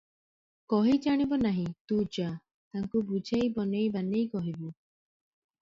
କହି ଜାଣିବ ନାହିଁ, ତୁ ଯା, ତାଙ୍କୁ ବୁଝେଇ ବନେଇ ବାନେଇ କହିବୁ ।"